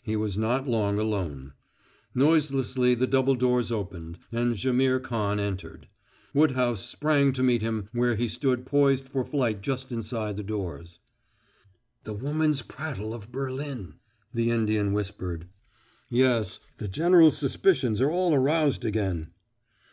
He was not long alone. Noiselessly the double doors opened and Jaimihr Khan entered. Woodhouse sprang to meet him where he stood poised for flight just inside the doors. "The woman's prattle of Berlin " the Indian whispered. "Yes, the general's suspicions are all aroused again."